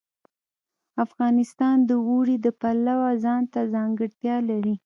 افغانستان د اوړي د پلوه ځانته ځانګړتیا لري.